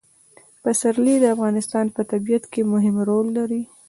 پسرلی د افغانستان په طبیعت کې مهم رول لري.